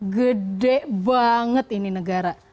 gede banget ini negara